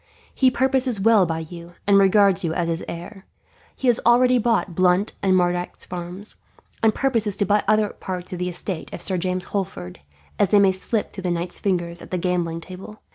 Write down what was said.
He purposes well by you, and regards you as his heir. He has already bought Blunt and Mardyke's farms, and purposes to buy other parts of the estates of Sir James Holford, as they may slip through the knight's fingers at the gambling table.